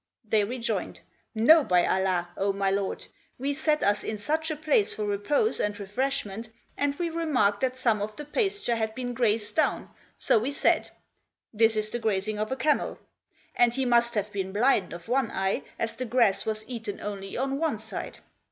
They rejoined, " No, by Allah, O my lord. We sat us in such a place for repose and refreshment and we remarked that some of the pasture had been grazed down, so we said: This is the grazing of a camel; and he must have been blind of one eye as the grass was eaten only on one side.